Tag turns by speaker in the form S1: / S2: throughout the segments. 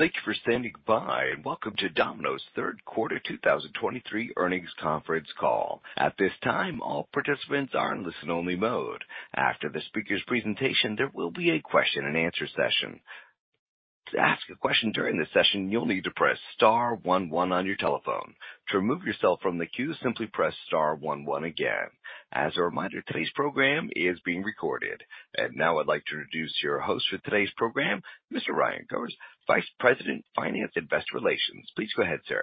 S1: Thank you for standing by, and welcome to Domino's third quarter 2023 earnings conference call. At this time, all participants are in listen-only mode. After the speaker's presentation, there will be a question-and-answer session. To ask a question during this session, you'll need to press star one one on your telephone. To remove yourself from the queue, simply press star one one again. As a reminder, today's program is being recorded. Now I'd like to introduce your host for today's program, Mr. Ryan Goers, Vice President, Finance and Investor Relations. Please go ahead, sir.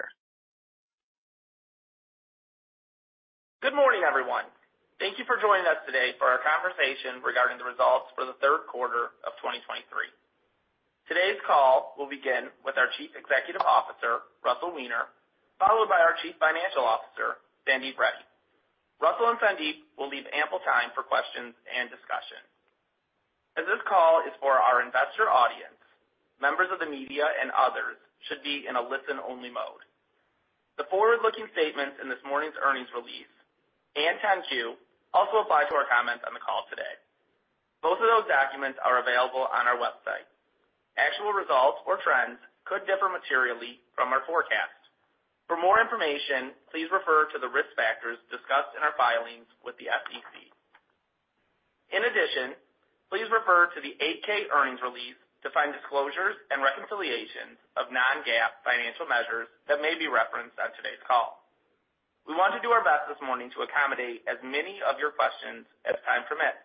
S2: Good morning, everyone. Thank you for joining us today for our conversation regarding the results for the third quarter of 2023. Today's call will begin with our Chief Executive Officer, Russell Weiner, followed by our Chief Financial Officer, Sandeep Reddy. Russell and Sandeep will leave ample time for questions and discussion. As this call is for our investor audience, members of the media and others should be in a listen-only mode. The forward-looking statements in this morning's earnings release and 10-Q also apply to our comments on the call today. Both of those documents are available on our website. Actual results or trends could differ materially from our forecast. For more information, please refer to the risk factors discussed in our filings with the SEC. In addition, please refer to the 8-K earnings release to find disclosures and reconciliations of non-GAAP financial measures that may be referenced on today's call. We want to do our best this morning to accommodate as many of your questions as time permits.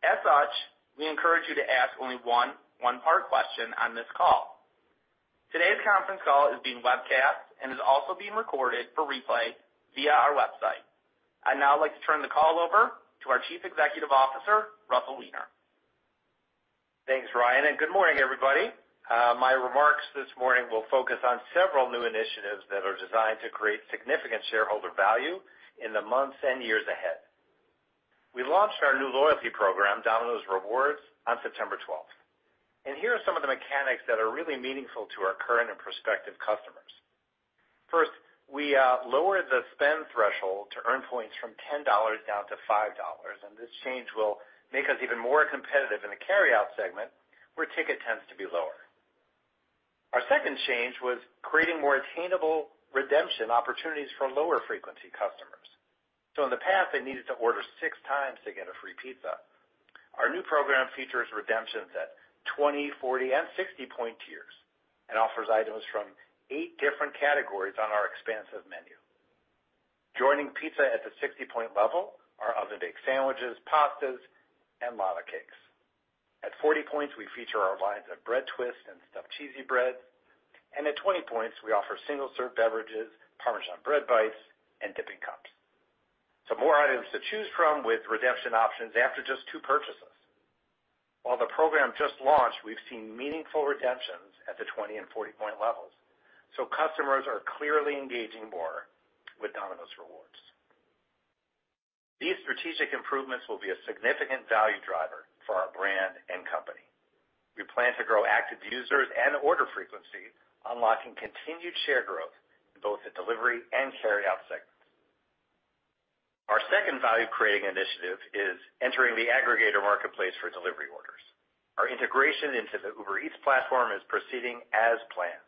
S2: As such, we encourage you to ask only one-part question on this call. Today's conference call is being webcast and is also being recorded for replay via our website. I'd now like to turn the call over to our Chief Executive Officer, Russell Weiner.
S3: Thanks, Ryan, and good morning, everybody. My remarks this morning will focus on several new initiatives that are designed to create significant shareholder value in the months and years ahead. We launched our new loyalty program, Domino's Rewards, on September 12th, and here are some of the mechanics that are really meaningful to our current and prospective customers. First, we lowered the spend threshold to earn points from $10 down to $5, and this change will make us even more competitive in the carryout segment, where ticket tends to be lower. Our second change was creating more attainable redemption opportunities for lower-frequency customers. So in the past, they needed to order six times to get a free pizza. Our new program features redemptions at 20, 40, and 60 point tiers and offers items from different different categories on our expansive menu. Joining Pizza at the 60-point level are Oven Baked Sandwiches, pastas, and Lava Cakes. At 40 points, we feature our lines of Bread Twists and Stuffed Cheesy Bread, and at 20 points, we offer single-serve beverages, Parmesan Bread Bites, and Dipping Cups. So more items to choose from with redemption options after just two purchases. While the program just launched, we've seen meaningful redemptions at the 20- and 40-point levels, so customers are clearly engaging more with Domino's Rewards. These strategic improvements will be a significant value driver for our brand and company. We plan to grow active users and order frequency, unlocking continued share growth in both the delivery and carryout segments. Our second value-creating initiative is entering the aggregator marketplace for delivery orders. Our integration into the Uber Eats platform is proceeding as planned.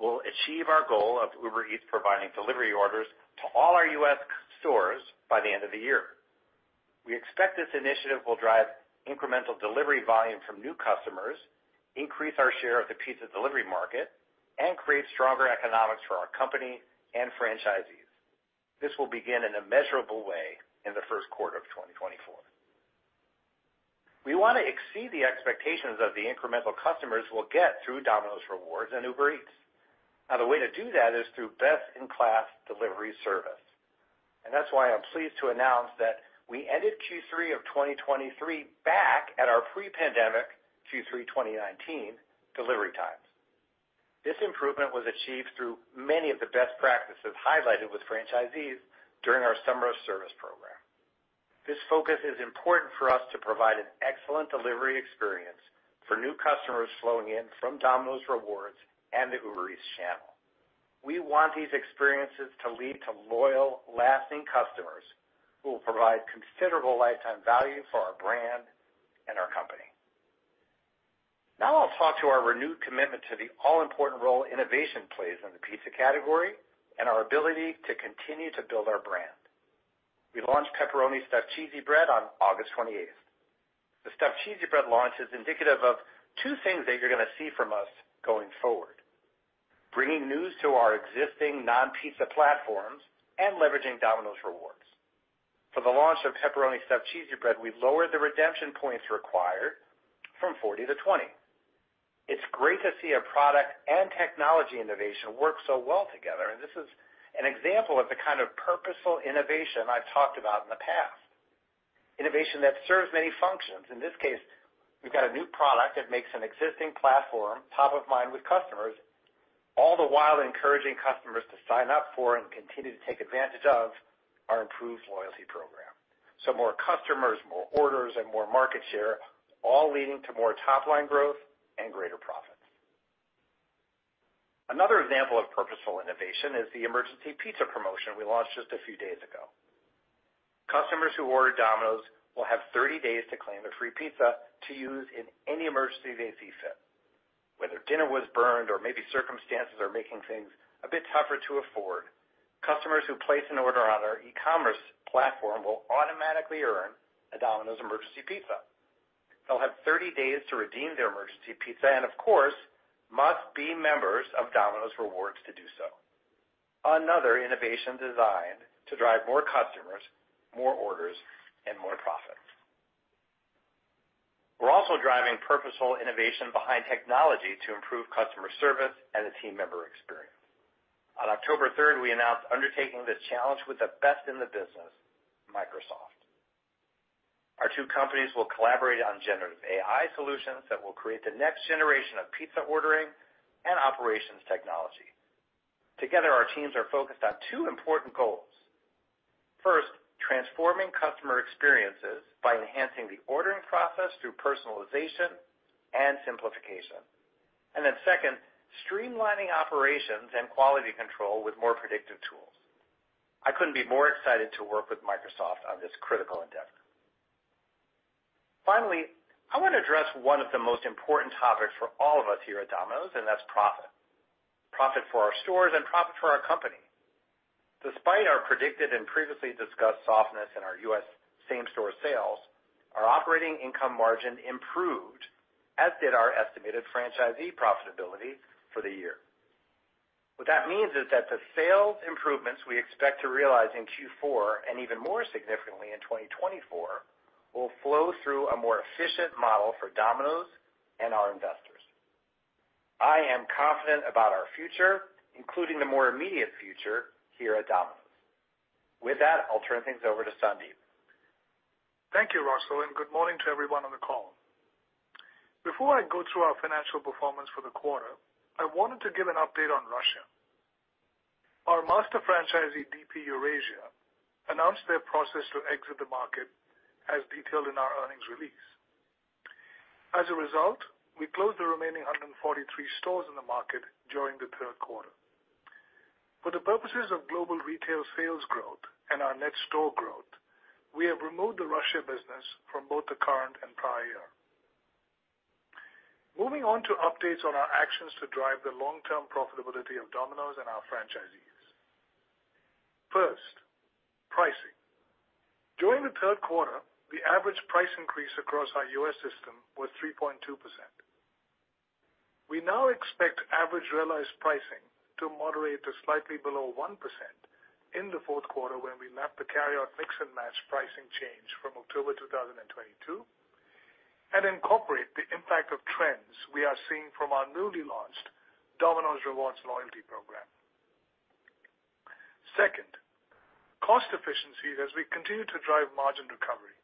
S3: We'll achieve our goal of Uber Eats providing delivery orders to all our US stores by the end of the year. We expect this initiative will drive incremental delivery volume from new customers, increase our share of the pizza delivery market, and create stronger economics for our company and franchisees. This will begin in a measurable way in the first quarter of 2024. We want to exceed the expectations of the incremental customers we'll get through Domino's Rewards and Uber Eats. Now, the way to do that is through best-in-class delivery service, and that's why I'm pleased to announce that we ended Q3 of 2023 back at our pre-pandemic Q3, 2019 delivery times. This improvement was achieved through many of the best practices highlighted with franchisees during our Summer of Service program. This focus is important for us to provide an excellent delivery experience for new customers flowing in from Domino's Rewards and the Uber Eats channel. We want these experiences to lead to loyal, lasting customers who will provide considerable lifetime value for our brand and our company. Now I'll talk to our renewed commitment to the all-important role innovation plays in the pizza category and our ability to continue to build our brand. We launched Pepperoni Stuffed Cheesy Bread on August 28th. The Stuffed Cheesy Bread Launch is indicative of two things that you're gonna see from us going forward: bringing news to our existing non-pizza platforms and leveraging Domino's Rewards. For the launch of Pepperoni Stuffed Cheesy Bread, we lowered the redemption points required from 40 to 20. It's great to see a product and technology innovation work so well together, and this is an example of the kind of purposeful innovation I've talked about in the past. Innovation that serves many functions. In this case, we've got a new product that makes an existing platform top of mind with customers, all the while encouraging customers to sign up for and continue to take advantage of our improved loyalty program. So more customers, more orders, and more market share, all leading to more top-line growth and greater profit. Another example of purposeful innovation is the Emergency Pizza promotion we launched just a few days ago. Customers who order Domino's will have 30 days to claim a free pizza to use in any emergency they see fit. Whether dinner was burned or maybe circumstances are making things a bit tougher to afford, customers who place an order on our eCommerce platform will automatically earn a Domino's Emergency Pizza. They'll have 30 days to redeem their Emergency Pizza and, of course, must be members of Domino's Rewards to do so. Another innovation designed to drive more customers, more orders, and more profits. We're also driving purposeful innovation behind technology to improve customer service and the team member experience. On October 3rd, we announced undertaking this challenge with the best in the business, Microsoft. Our two companies will collaborate on Generative AI solutions that will create the next generation of pizza ordering and operations technology. Together, our teams are focused on two important goals. First, transforming customer experiences by enhancing the ordering process through personalization and simplification. And then second, streamlining operations and quality control with more predictive tools. I couldn't be more excited to work with Microsoft on this critical endeavor. Finally, I want to address one of the most important topics for all of us here at Domino's, and that's profit. Profit for our stores and profit for our company. Despite our predicted and previously discussed softness in our U.S. same-store sales, our operating income margin improved, as did our estimated franchisee profitability for the year. What that means is that the sales improvements we expect to realize in Q4, and even more significantly in 2024, will flow through a more efficient model for Domino's and our investors. I am confident about our future, including the more immediate future here at Domino's. With that, I'll turn things over to Sandeep.
S4: Thank you, Russell, and good morning to everyone on the call. Before I go through our financial performance for the quarter, I wanted to give an update on Russia. Our master franchisee, DP Eurasia, announced their process to exit the market, as detailed in our earnings release. As a result, we closed the remaining 143 stores in the market during the third quarter. For the purposes of global retail sales growth and our net store growth, we have removed the Russia business from both the current and prior year. Moving on to updates on our actions to drive the long-term profitability of Domino's and our franchisees. First, pricing. During the third quarter, the average price increase across our U.S. system was 3.2%. We now expect average realized pricing to moderate to slightly below 1% in the fourth quarter, when we map the carryout Mix & Match pricing change from October 2022, and incorporate the impact of trends we are seeing from our newly launched Domino's Rewards loyalty program. Second, cost efficiencies as we continue to drive margin recovery.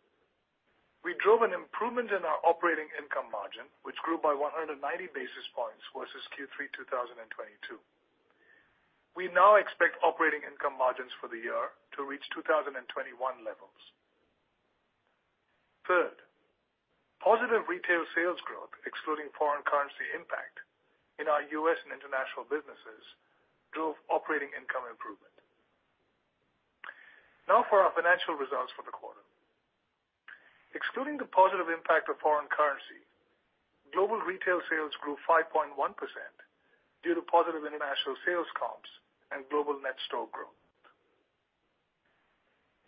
S4: We drove an improvement in our operating income margin, which grew by 190 basis points versus Q3 2022. We now expect operating income margins for the year to reach 2021 levels. Third, positive retail sales growth, excluding foreign currency impact in our US and International businesses, drove operating income improvement. Now for our financial results for the quarter. Excluding the positive impact of foreign currency, global retail sales grew 5.1% due to positive international sales comps and global net store growth.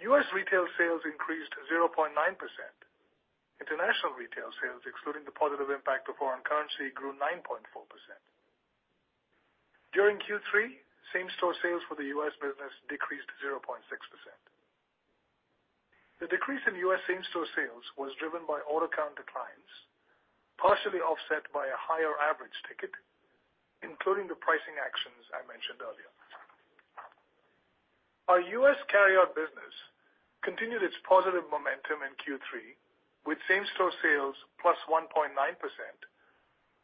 S4: U.S. retail sales increased 0.9%. International retail sales, excluding the positive impact of foreign currency, grew 9.4%. During Q3, same-store sales for the U.S. business decreased 0.6%. The decrease in U.S. same-store sales was driven by order count declines, partially offset by a higher average ticket, including the pricing actions I mentioned earlier. Our U.S. carryout business continued its positive momentum in Q3, with same-store sales +1.9%,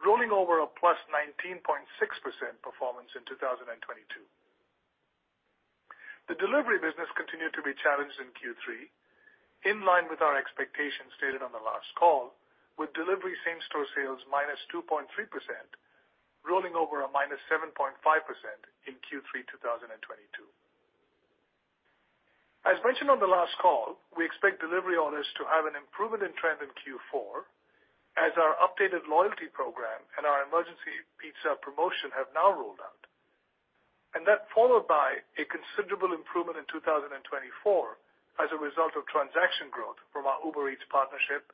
S4: rolling over a +19.6% performance in 2022. The delivery business continued to be challenged in Q3, in line with our expectations stated on the last call, with delivery same-store sales -2.3%, rolling over a -7.5% in Q3 2022. As mentioned on the last call, we expect delivery orders to have an improvement in trend in Q4 as our updated loyalty program and our Emergency Pizza promotion have now rolled out. And that followed by a considerable improvement in 2024 as a result of transaction growth from our Uber Eats partnership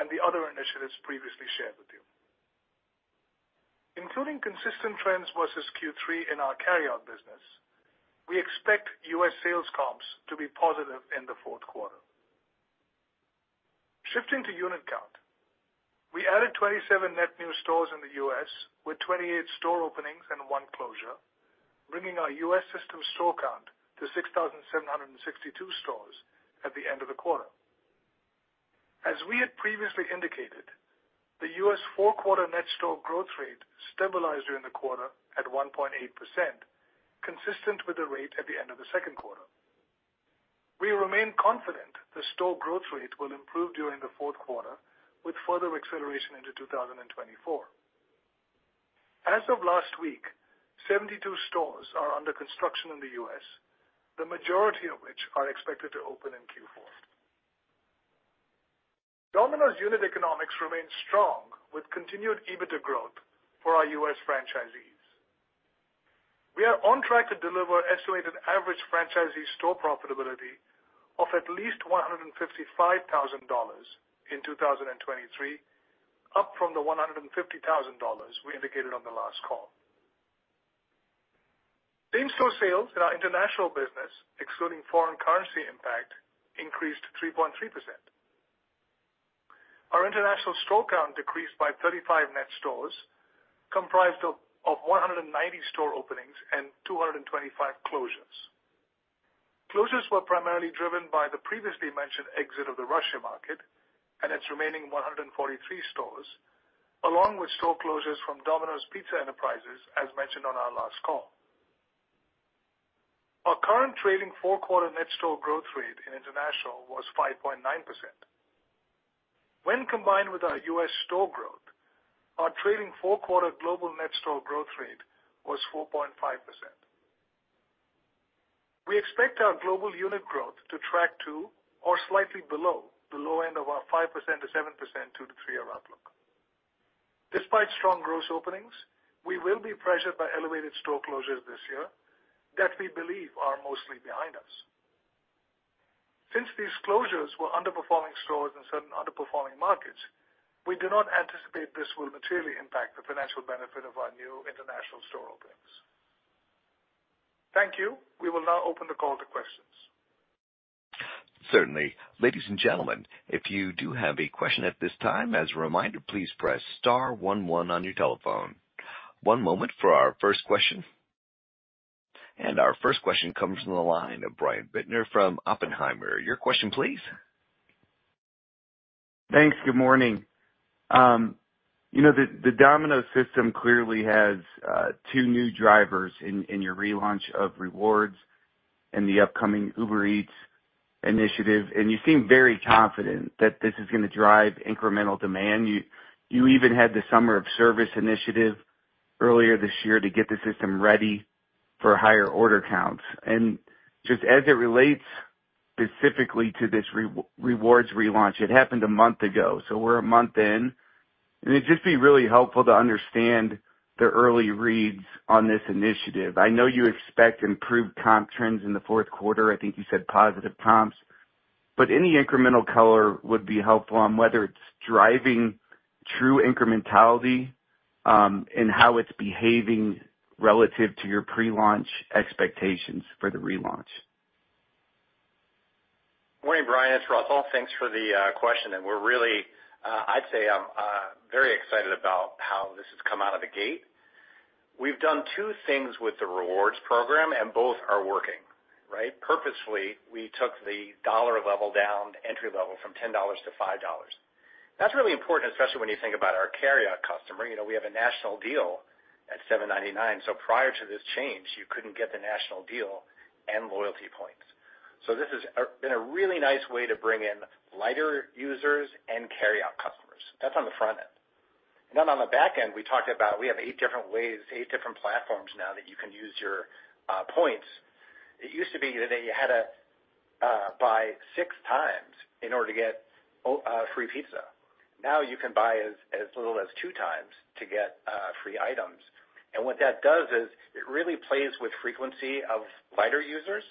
S4: and the other initiatives previously shared with you. Including consistent trends versus Q3 in our carryout business, we expect US sales comps to be positive in the fourth quarter. Shifting to unit count, we added 27 net new stores in the U.S., with 28 store openings and 1 closure, bringing our U.S. system store count to 6,762 stores at the end of the quarter. As we had previously indicated, the U.S. four-quarter net store growth rate stabilized during the quarter at 1.8%, consistent with the rate at the end of the second quarter.. We remain confident the store growth rate will improve during the fourth quarter, with further acceleration into 2024. As of last week, 72 stores are under construction in the U.S., the majority of which are expected to open in Q4. Domino's unit economics remains strong, with continued EBITDA growth for our U.S. franchisees. We are on track to deliver estimated average franchisee store profitability of at least $155,000 in 2023, up from the $150,000 we indicated on the last call. Same-store sales in our International business, excluding foreign currency impact, increased 3.3%. Our International store count decreased by 35 net stores, comprised of 190 store openings and 225 closures. Closures were primarily driven by the previously mentioned exit of the Russia market and its remaining 143 stores, along with store closures from Domino's Pizza Enterprises, as mentioned on our last call. Our current trailing four-quarter net store growth rate in international was 5.9%. When combined with our U.S. Store growth, our trailing four-quarter global net store growth rate was 4.5%. We expect our global unit growth to track to or slightly below the low end of our 5%-7% 2-3-year outlook. Despite strong gross openings, we will be pressured by elevated store closures this year that we believe are mostly behind us. Since these closures were underperforming stores in certain underperforming markets, we do not anticipate this will materially impact the financial benefit of our new international store openings. Thank you. We will now open the call to questions.
S1: Certainly. Ladies and gentlemen, if you do have a question at this time, as a reminder, please press star one one on your telephone. One moment for our first question. Our first question comes from the line of Brian Bittner from Oppenheimer. Your question, please.
S5: Thanks. Good morning. You know, the Domino's system clearly has two new drivers in your relaunch of Rewards and the upcoming Uber Eats initiative, and you seem very confident that this is gonna drive incremental demand. You even had the Summer of Service initiative earlier this year to get the system ready for higher order counts. And just as it relates specifically to this Rewards relaunch, it happened a month ago, so we're a month in, and it'd just be really helpful to understand the early reads on this initiative. I know you expect improved comp trends in the fourth quarter. I think you said positive comps, but any incremental color would be helpful on whether it's driving true incrementality, and how it's behaving relative to your pre-launch expectations for the relaunch.
S3: Morning, Brian, it's Russell. Thanks for the question, and we're really, I'd say I'm very excited about how this has come out of the gate. We've done two things with the rewards program, and both are working, right? Purposefully, we took the dollar level down, entry level from $10 to $5. That's really important, especially when you think about our carryout customer. You know, we have a national deal at $7.99, so prior to this change, you couldn't get the national deal and loyalty points. So this has been a really nice way to bring in lighter users and carryout customers. That's on the front end. And then on the back end, we talked about, we have eight different ways, eight different platforms now that you can use your points. It used to be that you had to buy six times in order to get free pizza. Now, you can buy as little as two times to get free items. And what that does is it really plays with frequency of lighter users.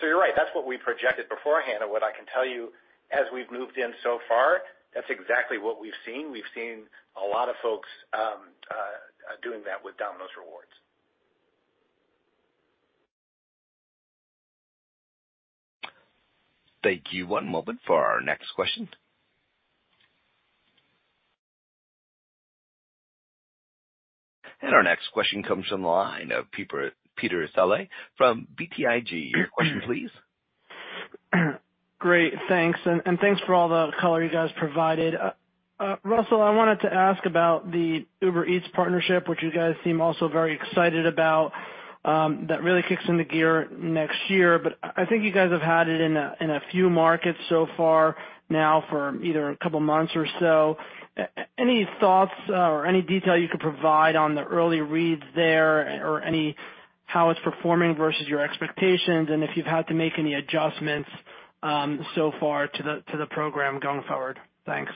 S3: So you're right, that's what we projected beforehand, and what I can tell you, as we've moved in so far, that's exactly what we've seen. We've seen a lot of folks doing that with Domino's Rewards.
S1: Thank you. One moment for our next question. Our next question comes from the line of Peter Saleh from BTIG. Your question, please.
S6: Great. Thanks. And thanks for all the color you guys provided. Russell, I wanted to ask about the Uber Eats partnership, which you guys seem also very excited about, that really kicks into gear next year. But I think you guys have had it in a few markets so far now for either a couple of months or so. Any thoughts or any detail you could provide on the early reads there or any how it's performing versus your expectations, and if you've had to make any adjustments, so far to the program going forward? Thanks.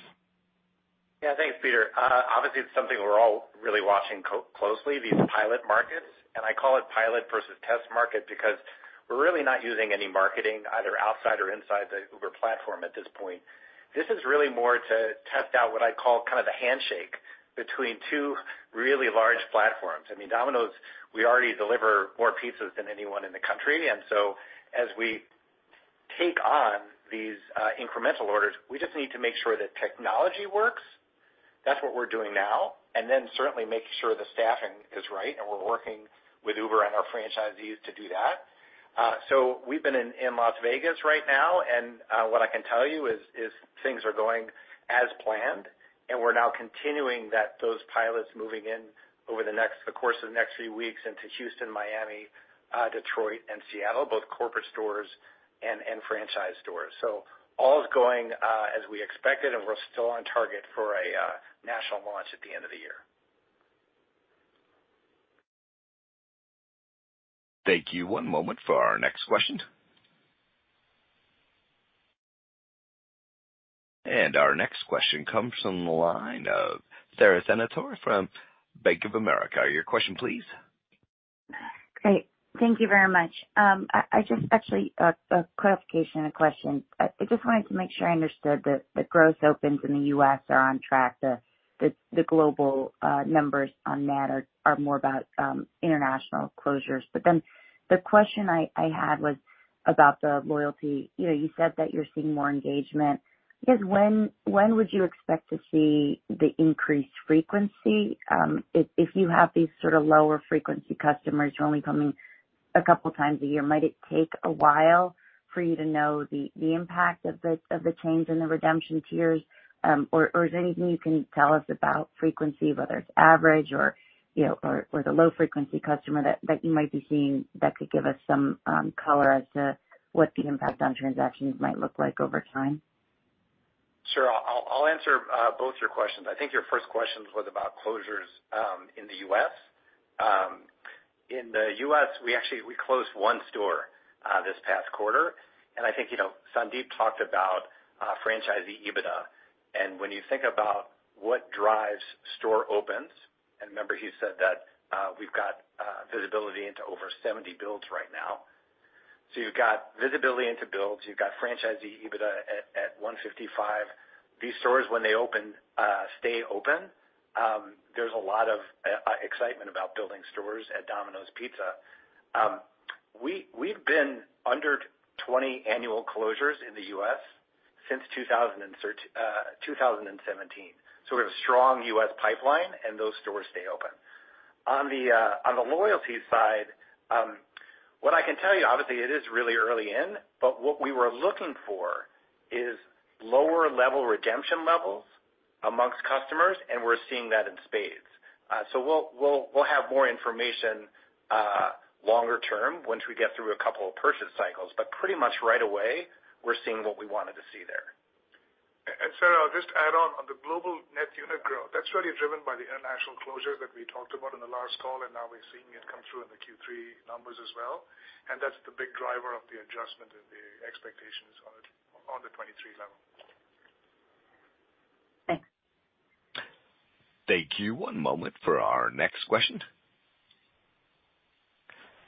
S3: Yeah. Thanks, Peter. Obviously, it's something we're all really watching closely, these pilot markets. And I call it pilot versus test market, because we're really not using any marketing either outside or inside the Uber platform at this point. This is really more to test out what I call kind of the handshake between two really large platforms. I mean, Domino's, we already deliver more pizzas than anyone in the country, and so as we take on these incremental orders, we just need to make sure that technology works. That's what we're doing now, and then certainly making sure the staffing is right, and we're working with Uber and our franchisees to do that. So we've been in Las Vegas right now. And what I can tell you is things are going as planned, and we're now continuing those pilots moving in over the course of the next few weeks into Houston, Miami, Detroit and Seattle, both corporate stores and franchise stores. So all is going as we expected, and we're still on target for a national launch at the end of the year.
S1: Thank you. One moment for our next question. Our next question comes from the line of Sara Senatore from Bank of America Corporation. Your question, please.
S7: Great. Thank you very much. I just actually a clarification and a question. I just wanted to make sure I understood that the growth opens in the U.S. are on track. The global numbers on that are more about international closures. But then the question I had was about the loyalty. You know, you said that you're seeing more engagement. I guess when would you expect to see the increased frequency? If you have these sort of lower frequency customers who are only coming a couple times a year, might it take a while for you to know the impact of the change in the redemption tiers? Or is there anything you can tell us about frequency, whether it's average or, you know, the low frequency customer that you might be seeing that could give us some color as to what the impact on transactions might look like over time?
S3: Sure. I'll, I'll answer both your questions. I think your first questions was about closures in the U.S. In the U.S., we actually closed one store this past quarter. And I think, you know, Sandeep talked about franchisee EBITDA. And when you think about what drives store opens, and remember he said that we've got visibility into over 70 builds right now. So you've got visibility into builds, you've got franchisee EBITDA at $155. These stores, when they open, stay open. There's a lot of excitement about building stores at Domino's Pizza. We've been under 20 annual closures in the U.S. since 2017. So we have a strong U.S. pipeline, and those stores stay open. On the loyalty side, what I can tell you, obviously it is really early in, but what we were looking for is lower level redemption levels among customers, and we're seeing that in spades. So we'll have more information longer term once we get through a couple of purchase cycles, but pretty much right away, we're seeing what we wanted to see there.
S4: Sara, I'll just add on, on the global net unit growth, that's really driven by the international closures that we talked about in the last call, and now we're seeing it come through in the Q3 numbers as well. That's the big driver of the adjustment in the expectations on the 2023 level.
S7: Thanks.
S1: Thank you. One moment for our next question.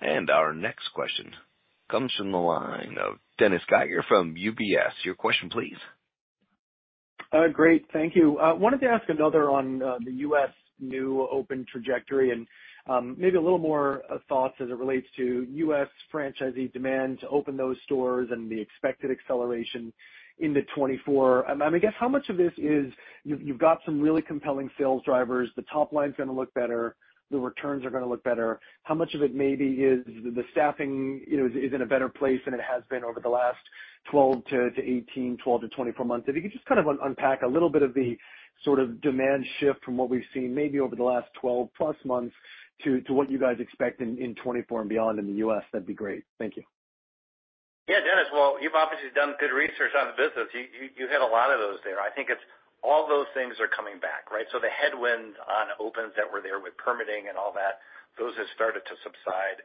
S1: Our next question comes from the line of Dennis Geiger from UBS. Your question, please.
S8: Great, thank you. I wanted to ask another on the U.S. new open trajectory and maybe a little more thoughts as it relates to U.S. franchisee demand to open those stores and the expected acceleration into 2024. I mean, I guess how much of this is you've got some really compelling sales drivers, the top line's gonna look better, the returns are gonna look better. How much of it maybe is the staffing, you know, is in a better place than it has been over the last 12 to 18, 12 to 24 months? If you could just kind of unpack a little bit of the sort of demand shift from what we've seen, maybe over the last 12+ months, to what you guys expect in 2024 and beyond in the U.S., that'd be great. Thank you.
S3: Yeah, Dennis, well, you've obviously done good research on the business. You hit a lot of those there. I think it's all those things are coming back, right? So the headwinds on opens that were there with permitting and all that, those have started to subside.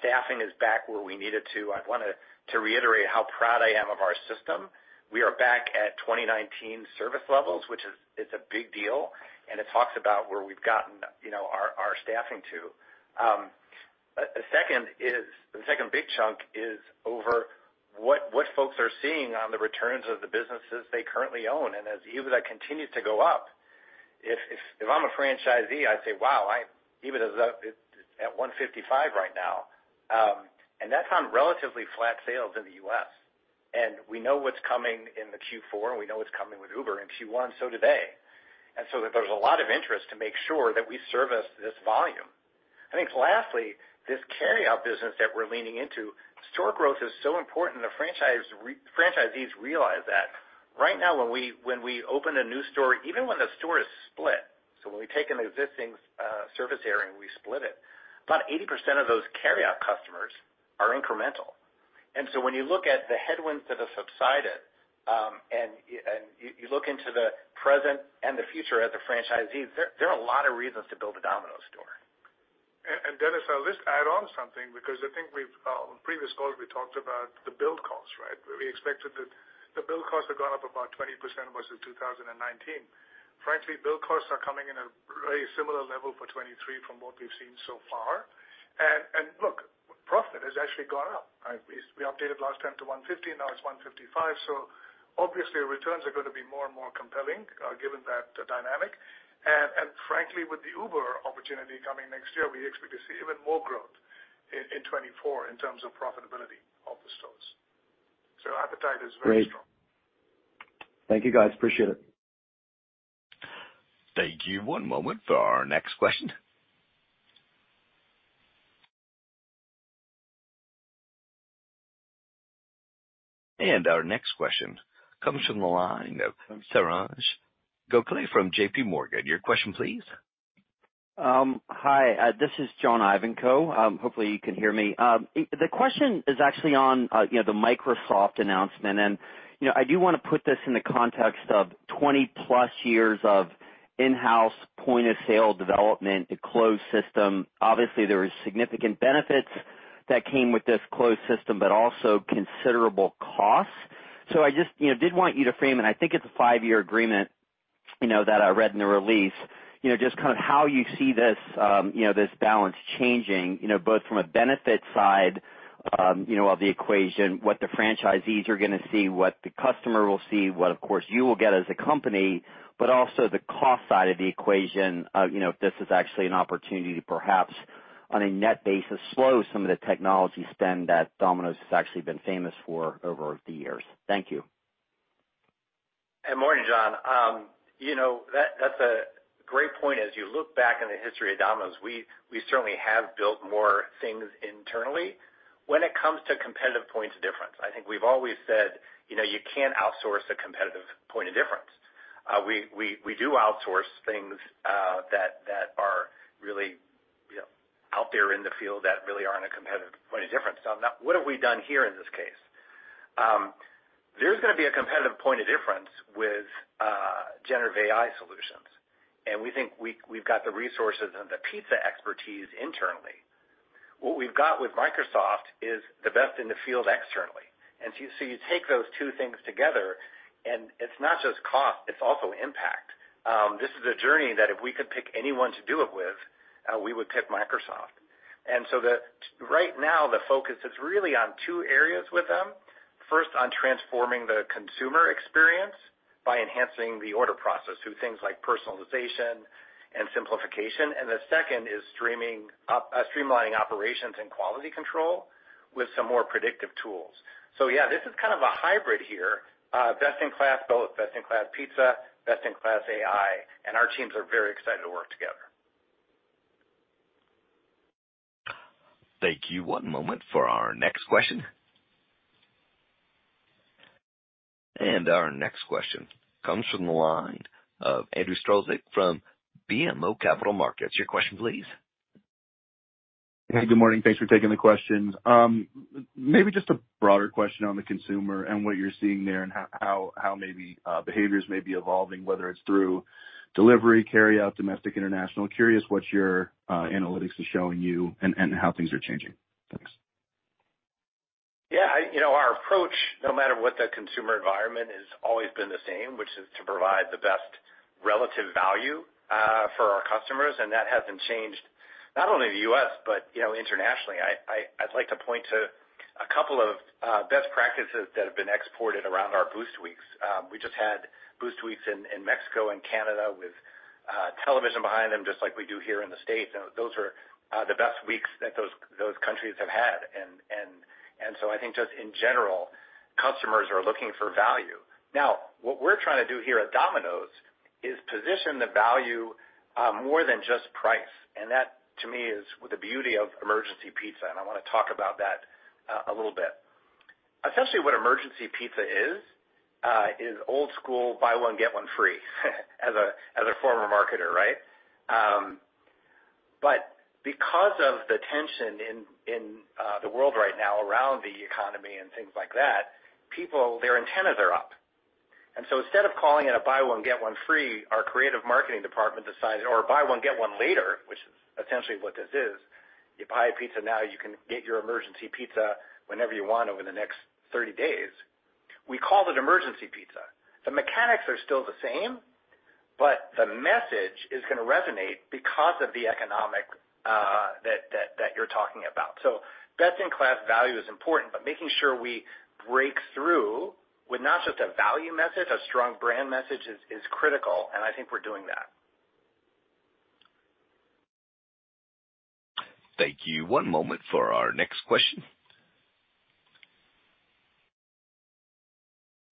S3: Staffing is back where we need it to. I wanna to reiterate how proud I am of our system. We are back at 2019 service levels, which is- it's a big deal, and it talks about where we've gotten, you know, our staffing to. A second is- the second big chunk is over what folks are seeing on the returns of the businesses they currently own. As EBITDA continues to go up, if I'm a franchisee, I'd say, "Wow, EBITDA is up at $155 right now." That's on relatively flat sales in the U.S., and we know what's coming in Q4, and we know what's coming with Uber in Q1, so do they. There's a lot of interest to make sure that we service this volume. I think lastly, this carryout business that we're leaning into, store growth is so important, the franchisees realize that. Right now, when we open a new store, even when a store is split, so when we take an existing service area and we split it, about 80% of those carryout customers are incremental. And so when you look at the headwinds that have subsided, and you look into the present and the future as a franchisee, there are a lot of reasons to build a Domino's store.
S4: And, Dennis, I'll just add on something because I think we've in previous calls, we talked about the build costs, right? Where we expected that the build costs have gone up about 20% versus 2019. Frankly, build costs are coming in a very similar level for 2023 from what we've seen so far. And, look, profitability has actually gone up, right? We updated last time to 150, now it's 155. So obviously, returns are going to be more and more compelling, given that dynamic. And, frankly, with the Uber opportunity coming next year, we expect to see even more growth in 2024 in terms of profitability of the stores. So appetite is very strong.
S8: Great. Thank you, guys. Appreciate it.
S1: Thank you. One moment for our next question. Our next question comes from the line of Saransh Gokhale from JPMorgan. Your question, please.
S9: Hi, this is John Ivankoe. Hopefully you can hear me. The question is actually on, you know, the Microsoft announcement, and, you know, I do want to put this in the context of 20+years of in-house point-of-sale development, a closed system. Obviously, there were significant benefits that came with this closed system, but also considerable costs. So I just, you know, did want you to frame, and I think it's a 5-year agreement, you know, that I read in the release. You know, just kind of how you see this, you know, this balance changing, you know, both from a benefit side, you know, of the equation, what the franchisees are going to see, what the customer will see, what, of course, you will get as a company. But also the cost side of the equation, you know, if this is actually an opportunity to perhaps, on a net basis, slow some of the technology spend that Domino's has actually been famous for over the years. Thank you.
S3: Morning, John. You know, that, that's a great point. As you look back on the history of Domino's, we certainly have built more things internally. When it comes to competitive points of difference, I think we've always said, you know, you can't outsource a competitive point of difference. We do outsource things that are really, you know, out there in the field that really aren't a competitive point of difference. Now, what have we done here in this case? There's going to be a competitive point of difference with Generative AI solutions, and we think we've got the resources and the pizza expertise internally. What we've got with Microsoft is the best in the field externally. And so you take those two things together, and it's not just cost, it's also impact. This is a journey that if we could pick anyone to do it with, we would pick Microsoft. Right now, the focus is really on two areas with them. First, on transforming the consumer experience by enhancing the order process through things like personalization and simplification. And the second is streaming, streamlining operations and quality control with some more predictive tools. So yeah, this is kind of a hybrid here. Best in class, both best in class pizza, best in class AI, and our teams are very excited to work together.
S1: Thank you. One moment for our next question. Our next question comes from the line of Andrew Strelzik from BMO Capital Markets. Your question, please.
S10: Hey, good morning. Thanks for taking the questions. Maybe just a broader question on the consumer and what you're seeing there and how maybe behaviors may be evolving, whether it's through delivery, carryout, domestic, international. Curious what your analytics are showing you and how things are changing. Thanks.
S3: Yeah, you know, our approach, no matter what the consumer environment, has always been the same, which is to provide the best relative value for our customers, and that hasn't changed, not only in the U.S., but, you know, internationally. I'd like to point to a couple of best practices that have been exported around our Boost Weeks. We just had Boost Weeks in Mexico and Canada with television behind them, just like we do here in the States, and those are the best weeks that those countries have had. So I think just in general, customers are looking for value. Now, what we're trying to do here at Domino's is position the value more than just price. And that, to me, is the beauty of Emergency Pizza, and I want to talk about that a little bit. Essentially, what Emergency Pizza is is old school, buy one, get one free, as a former marketer, right? But because of the tension in the world right now around the economy and things like that, people, their antennas are up. And so instead of calling it a buy one, get one free, our creative marketing department decided, or buy one, get one later, which is essentially what this is. You buy a pizza now, you can get your Emergency Pizza whenever you want over the next 30 days. We called it Emergency Pizza. The mechanics are still the same, but the message is going to resonate because of the economic that you're talking about.
S10: Best-in-class value is important, but making sure we break through with not just a value message, a strong brand message is critical, and I think we're doing that.
S1: Thank you. One moment for our next question.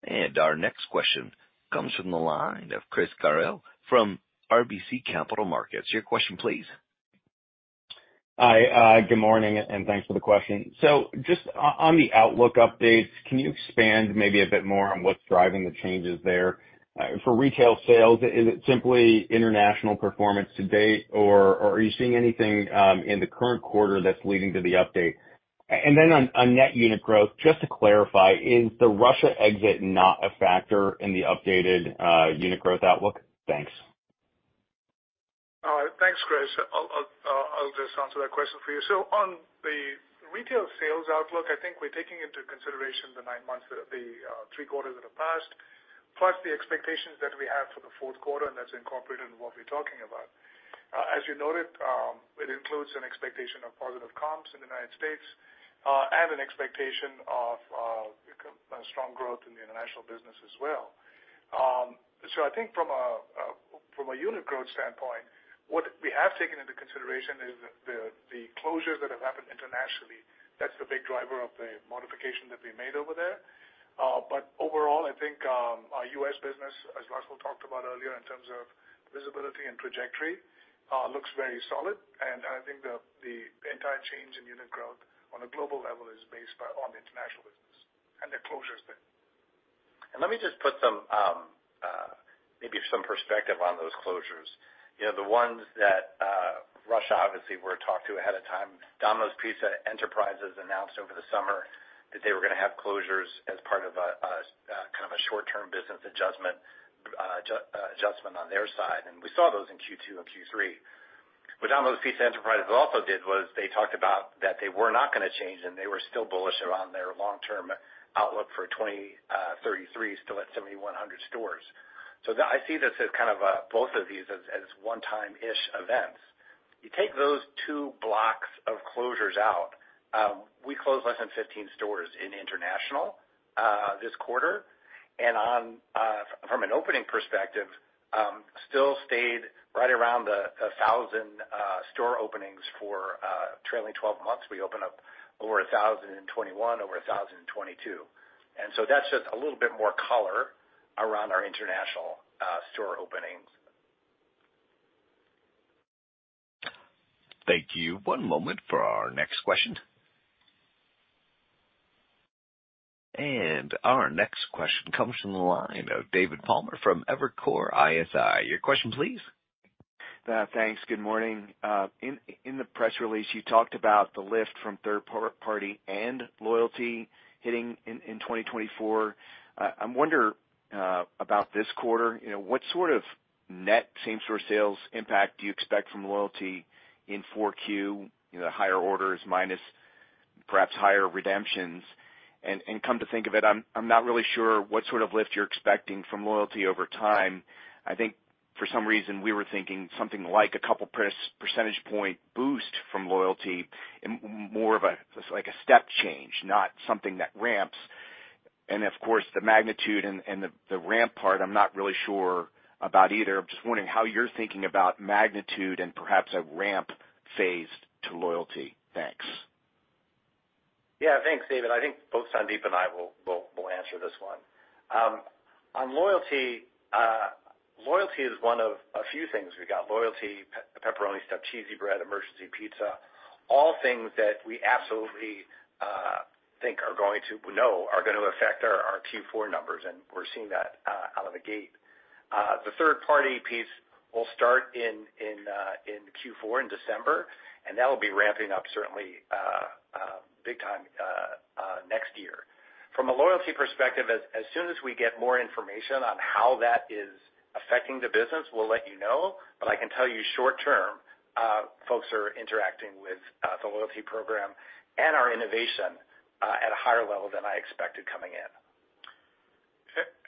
S1: And our next question comes from the line of Chris Carril from RBC Capital Markets. Your question, please.
S11: Hi, good morning, and thanks for the question. So just on the outlook updates, can you expand maybe a bit more on what's driving the changes there? For retail sales, is it simply international performance to date, or are you seeing anything in the current quarter that's leading to the update? And then on net unit growth, just to clarify, is the Russia exit not a factor in the updated unit growth outlook? Thanks.
S4: Thanks, Chris. I'll just answer that question for you. So on the retail sales outlook, I think we're taking into consideration the nine months, the three quarters that have passed, plus the expectations that we have for the fourth quarter, and that's incorporated into what we're talking about. As you noted, it includes an expectation of positive comps in the United States, and an expectation of strong growth in the international business as well. So I think from a unit growth standpoint, what we have taken into consideration is the closures that have happened internationally. That's the big driver of the modification that we made over there. But overall, I think our U.S. business, as Russell talked about earlier, in terms of visibility and trajectory, looks very solid. I think the entire change in unit growth on a global level is based on the international business and the closures there.
S3: Let me just put some maybe some perspective on those closures. You know, the ones that Russia, obviously, were talked to ahead of time. Domino's Pizza enterprises announced over the summer that they were gonna have closures as part of a kind of a short-term business adjustment on their side, and we saw those in Q2 and Q3. What Domino's Pizza enterprises also did was they talked about that they were not gonna change, and they were still bullish around their long-term outlook for 2033, still at 7,100 stores. So I see this as kind of both of these as one-time-ish events. You take those two blocks of closures out, we closed less than 15 stores in international this quarter. And on from an opening perspective, still stayed right around 1,000 store openings for trailing 12 months. We opened up over 1,021, over 1,022, and so that's just a little bit more color around our international store openings.
S1: Thank you. One moment for our next question. Our next question comes from the line of David Palmer from Evercore ISI. Your question, please.
S12: Thanks. Good morning. In the press release, you talked about the lift from third-party and loyalty hitting in 2024. I wonder about this quarter, you know, what sort of net same-store sales impact do you expect from loyalty in 4Q? You know, higher orders minus perhaps higher redemptions. And come to think of it, I'm not really sure what sort of lift you're expecting from loyalty over time. I think for some reason, we were thinking something like a couple percentage point boost from loyalty and more of a, like, a step change, not something that ramps. And of course, the magnitude and the ramp part, I'm not really sure about either. I'm just wondering how you're thinking about magnitude and perhaps a ramp phase to loyalty. Thanks.
S3: Yeah. Thanks, David. I think both Sandeep and I will answer this one. On loyalty, loyalty is one of a few things. We got loyalty, Pepperoni Stuffed Cheesy Bread, Emergency Pizza, all things that we absolutely think are going to. We know are going to affect our Q4 numbers, and we're seeing that out of the gate. The third-party piece will start in Q4, in December, and that will be ramping up certainly big time next year. From a loyalty perspective, as soon as we get more information on how that is affecting the business, we'll let you know. But I can tell you short-term, folks are interacting with the loyalty program and our innovation at a higher level than I expected coming in.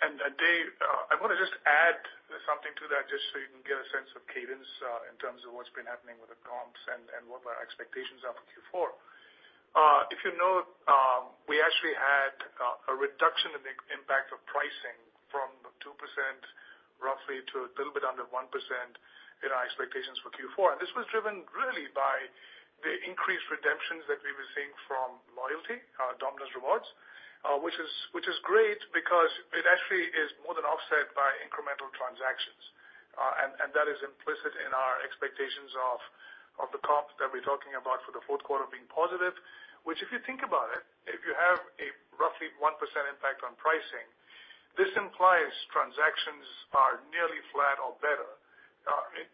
S4: And, Dave, I want to just add something to that, just so you can get a sense of cadence, in terms of what's been happening with the comps and what our expectations are for Q4. If you know, we actually had a reduction in the impact of pricing from 2%, roughly, to a little bit under 1% in our expectations for Q4. And this was driven really by the increased redemptions that we were seeing from loyalty, Domino's Rewards, which is great because it actually is more than offset by incremental transactions. And that is implicit in our expectations of the comps that we're talking about for the fourth quarter being positive, which, if you think about it, if you have a roughly 1% impact on pricing, this implies transactions are nearly flat or better,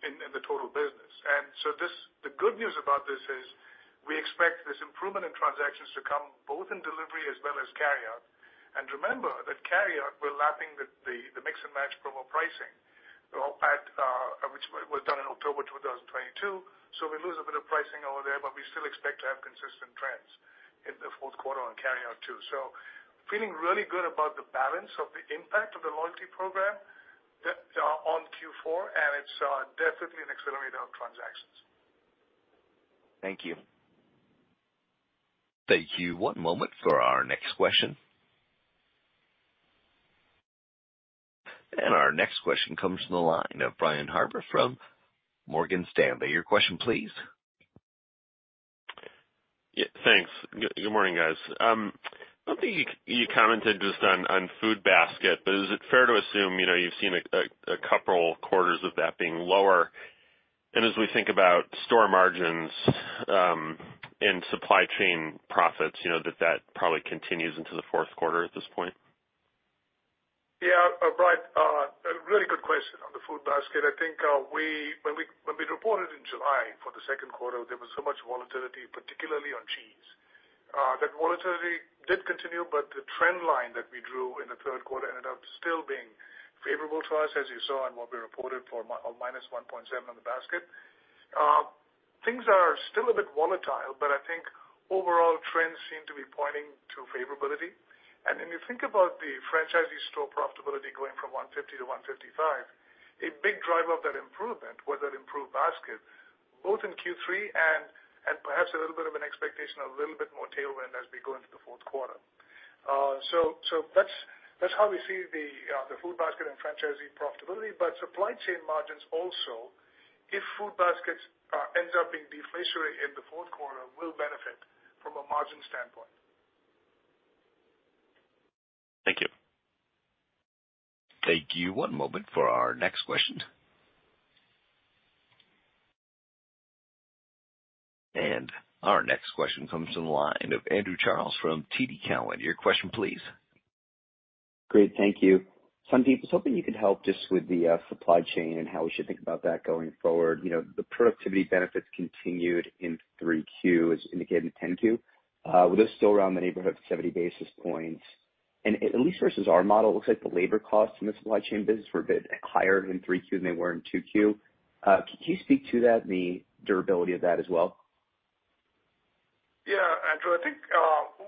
S4: in the total business. The good news about this is we expect this improvement in transactions to come both in delivery as well as carryout. Remember that carryout, we're lapping the mix and match promo pricing, which was done in October 2022. We lose a bit of pricing over there, but we still expect to have consistent trends in the fourth quarter on carryout, too. Feeling really good about the balance of the impact of the loyalty program on Q4, and it's definitely an accelerator on transactions.
S12: Thank you.
S1: Thank you. One moment for our next question. Our next question comes from the line of Brian Harbor from Morgan Stanley. Your question, please.
S13: Yeah, thanks. Good morning, guys. I don't think you commented just on food basket, but is it fair to assume, you know, you've seen a couple quarters of that being lower, and as we think about store margins and supply chain profits, you know, that probably continues into the fourth quarter at this point?
S4: Yeah, Brian, a really good question on the food basket. I think, when we reported in July for the second quarter, there was so much volatility, particularly on cheese. That volatility did continue, but the trend line that we drew in the third quarter ended up still being favorable to us, as you saw in what we reported for a -1.7 on the basket. Things are still a bit volatile, but I think overall trends seem to be pointing to favorability. And when you think about the franchisee store profitability going from 150 to 155, a big driver of that improvement was that improved basket, both in Q3 and perhaps a little bit of an expectation, a little bit more tailwind as we go into the fourth quarter. That's how we see the, the food basket and franchisee profitability. But supply chain margins also, if food baskets, ends up being deflationary in the fourth quarter, will benefit from a margin standpoint.
S13: Thank you.
S1: Thank you. One moment for our next question. Our next question comes from the line of Andrew Charles from TD Cowen. Your question, please.
S14: Great, thank you. Sandeep, I was hoping you could help just with the supply chain and how we should think about that going forward. You know, the productivity benefits continued in 3Q, as indicated in 10-Q. Were those still around the neighborhood of 70 basis points? And at least versus our model, it looks like the labor costs in the supply chain business were a bit higher in 3Q than they were in 2Q. Can you speak to that and the durability of that as well?
S4: Yeah, Andrew, I think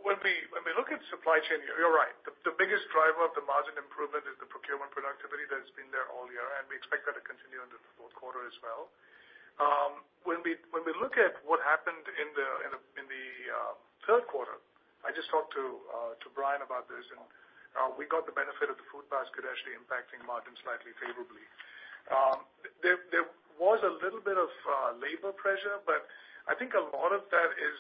S4: when we look at supply chain, you're right. The biggest driver of the margin improvement is the procurement productivity that's been there all year, and we expect that to continue into the fourth quarter as well. When we look at what happened in the third quarter, I just talked to Brian about this, and we got the benefit of the food basket actually impacting margins slightly favorably. There was a little bit of labor pressure, but I think a lot of that is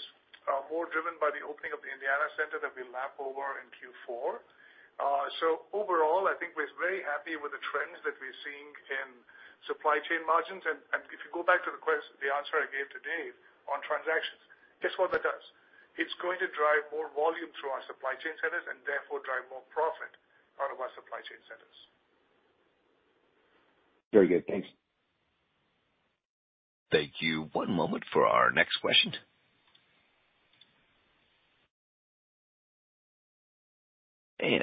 S4: more driven by the opening of the Indiana center that we lap over in Q4. So overall, I think we're very happy with the trends that we're seeing in supply chain margins. If you go back to the answer I gave to Dave on transactions, guess what that does? It's going to drive more volume through our supply chain centers and therefore drive more profit out of our supply chain centers.
S14: Very good. Thanks.
S1: Thank you. One moment for our next question.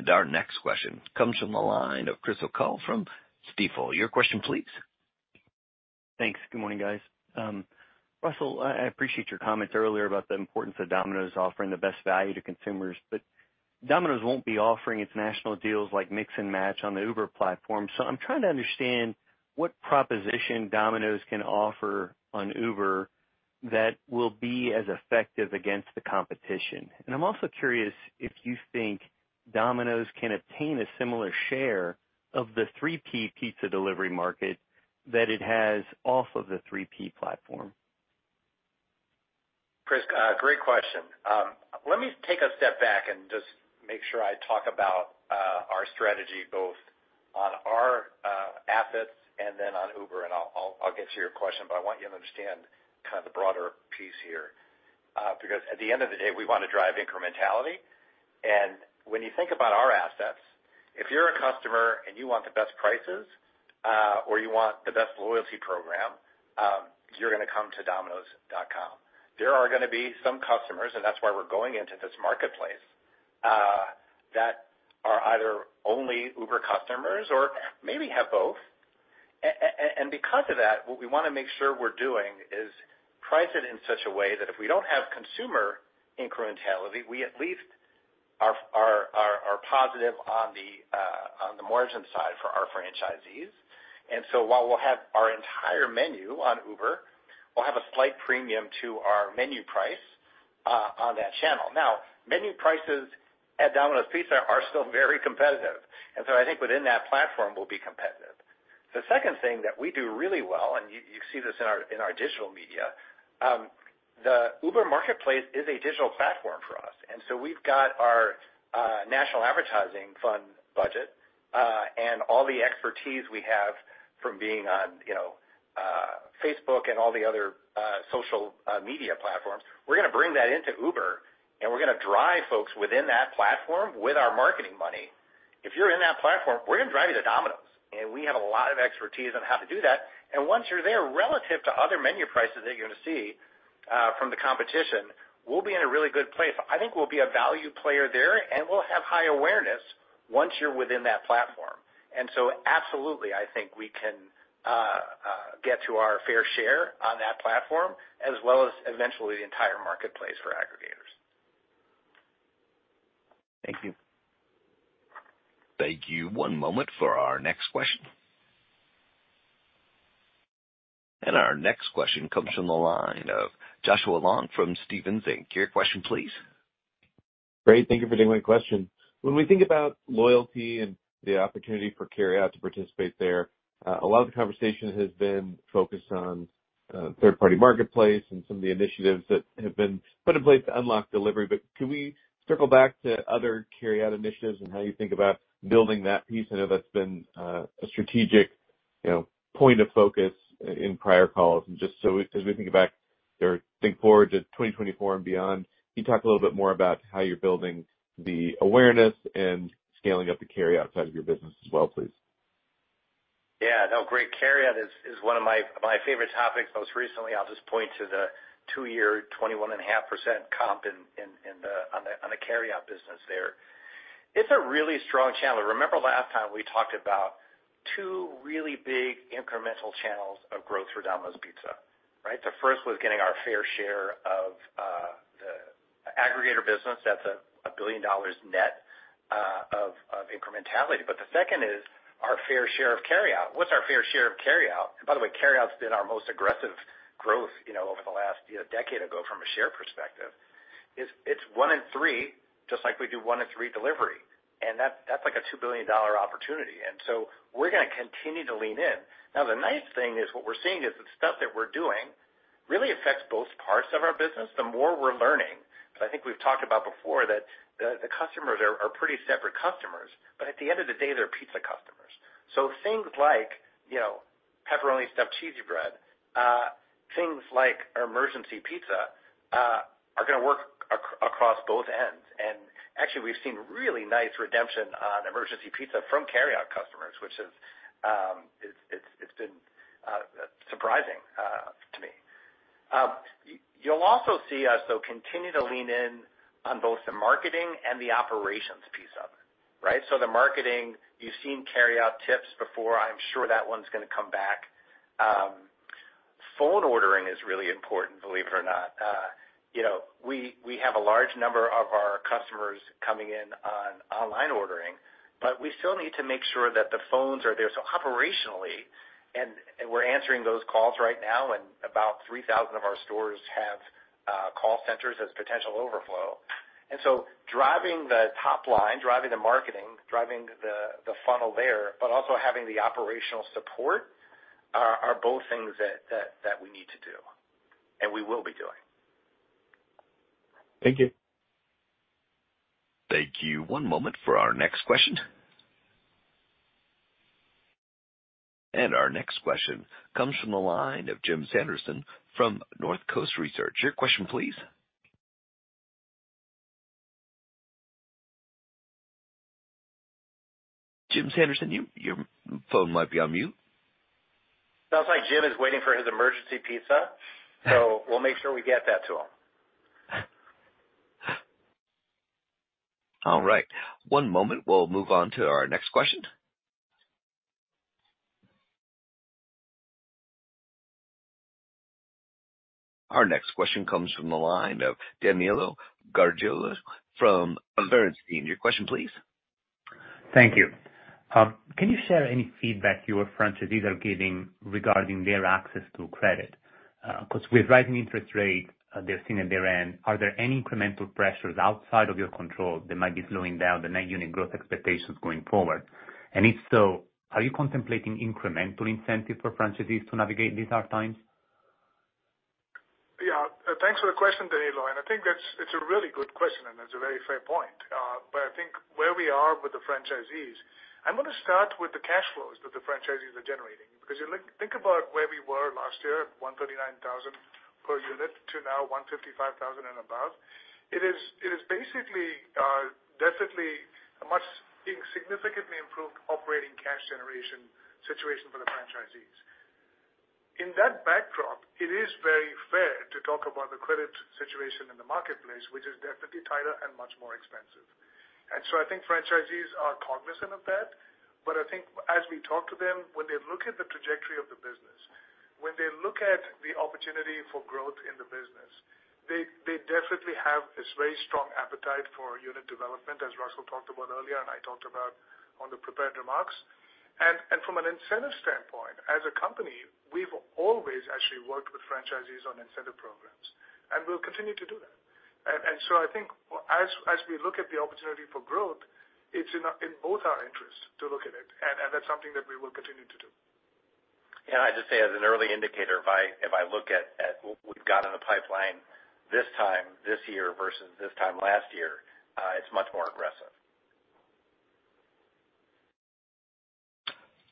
S1: Our next question comes from the line of Chris O'Cull from Stifel. Your question, please.
S15: Thanks. Good morning, guys. Russell, I appreciate your comments earlier about the importance of Domino's offering the best value to consumers, but Domino's won't be offering its national deals like Mix & Match on the Uber platform. So I'm trying to understand what proposition Domino's can offer on Uber that will be as effective against the competition. And I'm also curious if you think Domino's can obtain a similar share of the third-party pizza delivery market that it has off of the third-party platform.
S3: Chris, great question. Let me take a step back and just make sure I talk about our strategy both on our assets and then on Uber, and I'll get to your question. But I want you to understand kind of the broader piece here, because at the end of the day, we want to drive incrementality. And when you think about our assets, if you're a customer and you want the best prices, or you want the best loyalty program, you're gonna come to domino's.com. There are gonna be some customers, and that's why we're going into this marketplace, that are either only Uber customers or maybe have both. And because of that, what we wanna make sure we're doing is price it in such a way that if we don't have consumer incrementality, we at least are positive on the margin side for our franchisees. And so while we'll have our entire menu on Uber, we'll have a slight premium to our menu price on that channel. Now, menu prices at Domino's Pizza are still very competitive, and so I think within that platform, we'll be competitive. The second thing that we do really well, and you see this in our digital media, the Uber marketplace is a digital platform for us, and so we've got our national advertising fund budget and all the expertise we have from being on, you know, Facebook and all the other social media platforms. We're gonna bring that into Uber, and we're gonna drive folks within that platform with our marketing money. If you're in that platform, we're gonna drive you to Domino's, and we have a lot of expertise on how to do that. And once you're there, relative to other menu prices that you're gonna see, from the competition, we'll be in a really good place. I think we'll be a value player there, and we'll have high awareness once you're within that platform. And so absolutely, I think we can, get to our fair share on that platform, as well as eventually the entire marketplace for aggregators.
S15: Thank you.
S1: Thank you. One moment for our next question. Our next question comes from the line of Joshua Long from Stephens Inc. Your question please.
S16: Great, thank you for taking my question. When we think about loyalty and the opportunity for carryout to participate there, a lot of the conversation has been focused on third-party marketplace and some of the initiatives that have been put in place to unlock delivery. But can we circle back to other carryout initiatives and how you think about building that piece? I know that's been a strategic, you know, point of focus in prior calls. And just so as we think back or think forward to 2024 and beyond, can you talk a little bit more about how you're building the awareness and scaling up the carryout side of your business as well, please?
S3: Yeah, no, great. Carryout is one of my favorite topics. Most recently, I'll just point to the two-year 21.5% comp in the carryout business there. It's a really strong channel. Remember last time we talked about two really big incremental channels of growth for Domino's Pizza, right? The first was getting our fair share of the aggregator business. That's a billion dollar net of incrementality. But the second is our fair share of carryout. What's our fair share of carryout? By the way, carryout's been our most aggressive growth, you know, over the last, you know, decade ago from a share perspective. It's one in three, just like we do one in three delivery, and that's like a $2 billion opportunity. And so we're gonna continue to lean in. Now, the nice thing is what we're seeing is the stuff that we're doing really affects both parts of our business the more we're learning. But I think we've talked about before, that the customers are pretty separate customers, but at the end of the day, they're pizza customers. So things like, you know, Pepperoni Stuffed Cheesy Bread, things like our Emergency Pizza, are gonna work across both ends. And actually, we've seen really nice redemption on Emergency Pizza from carryout customers, which is, it's been surprising to me. You'll also see us, though, continue to lean in on both the marketing and the operations piece of it, right? So the marketing, you've seen carryout tips before. I'm sure that one's gonna come back. Phone ordering is really important, believe it or not. You know, we have a large number of our customers coming in on online ordering, but we still need to make sure that the phones are there. So operationally, and we're answering those calls right now, and about 3,000 of our stores have call centers as potential overflow. And so driving the top line, driving the marketing, driving the funnel there, but also having the operational support, are both things that we need to do and we will be doing.
S16: Thank you.
S1: Thank you. One moment for our next question. And our next question comes from the line of Jim Sanderson from North Coast Research. Your question, please. Jim Sanderson, your phone might be on mute.
S3: Sounds like Jim is waiting for his Emergency Pizza, so we'll make sure we get that to him.
S1: All right. One moment. We'll move on to our next question. Our next question comes from the line of Danilo Gargiulo from Bernstein. Your question, please.
S17: Thank you. Can you share any feedback your franchisees are giving regarding their access to credit? Because with rising interest rates they're seeing at their end, are there any incremental pressures outside of your control that might be slowing down the net unit growth expectations going forward? And if so, are you contemplating incremental incentive for franchisees to navigate these hard times?
S4: Yeah. Thanks for the question, Danilo, and I think that's, it's a really good question, and it's a very fair point. But I think where we are with the franchisees, I'm gonna start with the cash flows that the franchisees are generating. Because if you think about where we were last year, $139,000 per unit to now $155,000 and above. It is basically definitely a much significantly improved operating cash generation situation for the franchisees. In that backdrop, it is very fair to talk about the credit situation in the marketplace, which is definitely tighter and much more expensive. And so I think franchisees are cognizant of that. But I think as we talk to them, when they look at the trajectory of the business, when they look at the opportunity for growth in the business, they, they definitely have this very strong appetite for unit development, as Russell talked about earlier, and I talked about on the prepared remarks. And, and from an incentive standpoint, as a company, we've always actually worked with franchisees on incentive programs, and we'll continue to do that. And, and so I think as, as we look at the opportunity for growth, it's in, in both our interests to look at it, and, and that's something that we will continue to do.
S3: Yeah, I'd just say as an early indicator, if I look at what we've got in the pipeline this time this year versus this time last year, it's much more aggressive.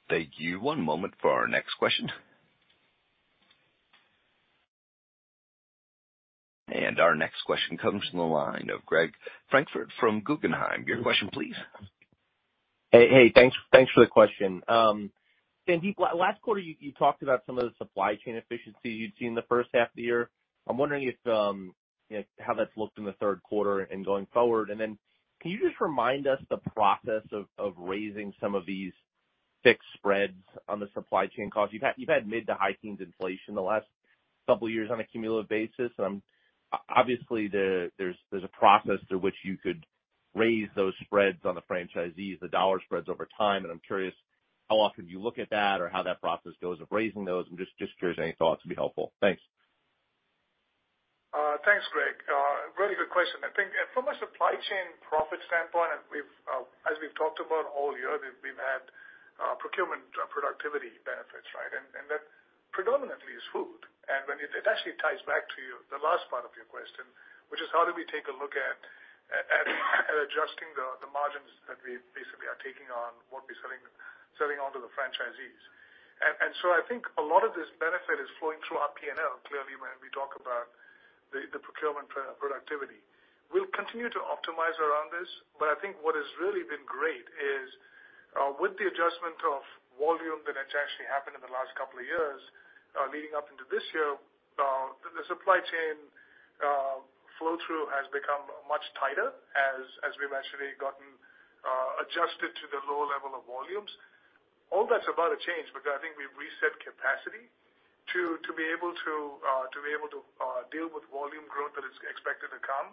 S1: Thank you. One moment for our next question. Our next question comes from the line of Greg Francfort Guggenheim. Your question, please.
S18: Hey, thanks for the question. Sandeep, last quarter, you talked about some of the supply chain efficiency you'd seen in the first half of the year. I'm wondering if, you know, how that's looked in the third quarter and going forward? Can you just remind us the process of raising some of these fixed spreads on the supply chain costs? You've had mid to high teens inflation the last couple of years on a cumulative basis. Obviously, there's a process through which you could raise those spreads on the franchisees, the dollar spreads over time. I'm curious, how often do you look at that or how that process goes of raising those? I'm just curious, any thoughts would be helpful. Thanks.
S4: Thanks, Greg. Really good question. I think from a supply chain profit standpoint, and we've, as we've talked about all year, we've had procurement productivity benefits, right? And that predominantly is food. And when it actually ties back to your, the last part of your question, which is: How do we take a look at adjusting the margins that we basically are taking on what we're selling on to the franchisees? And so I think a lot of this benefit is flowing through our P&L, clearly, when we talk about the procurement productivity. We'll continue to optimize around this, but I think what has really been great is, with the adjustment of volume that has actually happened in the last couple of years, leading up into this year, the supply chain flow-through has become much tighter as, as we've actually gotten adjusted to the lower level of volumes. All that's about to change because I think we've reset capacity to be able to deal with volume growth that is expected to come,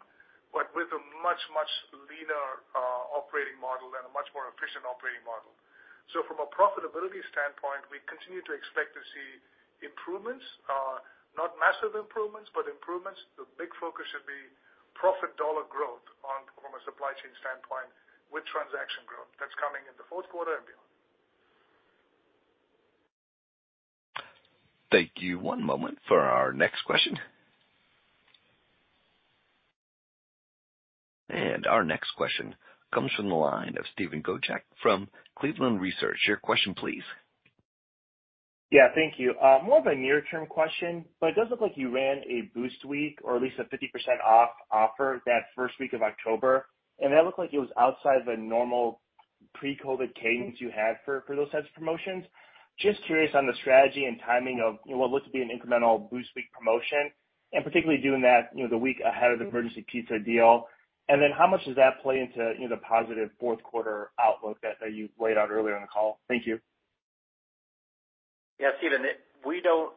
S4: but with a much, much leaner operating model and a much more efficient operating model. So from a profitability standpoint, we continue to expect to see improvements, not massive improvements, but improvements. The big focus should be profit dollar growth on, from a supply chain standpoint, with transaction growth. That's coming in the fourth quarter and beyond.
S1: Thank you. One moment for our next question. Our next question comes from the line of Steven Gojcaj from Cleveland Research. Your question, please.
S19: Yeah, thank you. More of a near-term question, but it does look like you ran a Boost Week or at least a 50% off offer that first week of October, and that looked like it was outside the normal pre-COVID cadence you had for, for those types of promotions. Just curious on the strategy and timing of, you know, what looks to be an incremental boost-week promotion, and particularly doing that, you know, the week ahead of the Emergency Pizza deal. And then how much does that play into, you know, the positive fourth quarter outlook that, that you laid out earlier in the call? Thank you.
S3: Yeah, Steven, we don't,